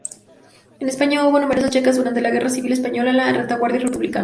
En España hubo numerosas "checas" durante la Guerra Civil Española en la retaguardia republicana.